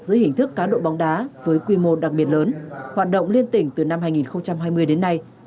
dưới hình thức cá độ bóng đá với quy mô đặc biệt lớn hoạt động liên tỉnh từ năm hai nghìn hai mươi đến nay